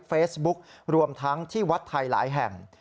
เฟซบุ๊กรวมทั้งที่วัดไทยหลายแห่ง